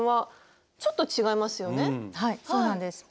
はいそうなんです。